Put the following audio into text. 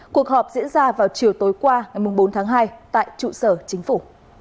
cuộc họp diễn ra vào chiều tối qua ngày bốn tháng hai tại trụ sở chính phủ